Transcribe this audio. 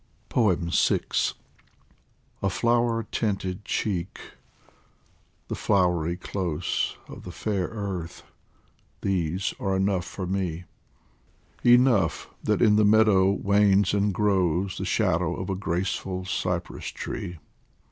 72 DIVAN OF HAFIZ VI A FLOWER TINTED cheek, the flowery close Of the fair earth,, these are enough for me Enough that in the meadow wanes and grows The shadow of a graceful cypress tree.